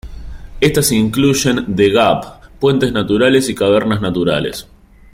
Estas incluyen "The Gap", puentes naturales y cavernas naturales.